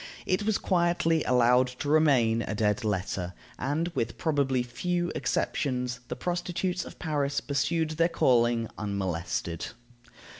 It was quietly allowed to remain a dead letter, and, with probably few exceptions, the prostitutes of Paris pursued their calling unmolested.